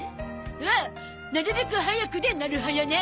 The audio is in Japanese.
あっなるべく早くでなる早ね。